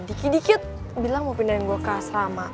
dikit dikit bilang mau pindahin gue ke asrama